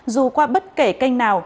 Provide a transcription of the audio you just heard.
dù qua bất kể kênh nào